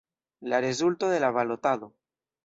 La rezulto de la balotado.